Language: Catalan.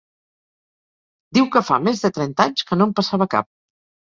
Diu que fa més de trenta anys que no en passava cap!